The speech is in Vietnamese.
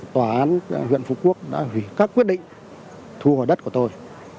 tòa án huyện phú quốc đã hủy các quyết định thu hồi đất của tôi